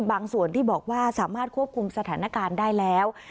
บางส่วนที่บอกว่าสามารถควบคุมสถานการณ์ได้แล้ว